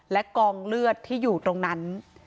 และกองเลือดที่อยู่ตรงนั้น